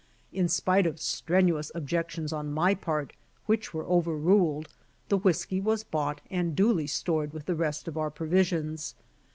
In spite of strenuous objections on my part, which were overruled, the whiskey was bought and duly stored with the rest of our provisions.